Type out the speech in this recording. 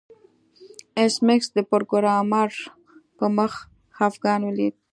ایس میکس د پروګرامر په مخ خفګان ولید